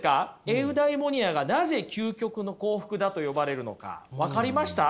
エウダイモニアがなぜ究極の幸福だと呼ばれるのか分かりました？